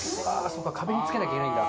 そうか壁に付けなきゃいけないんだ。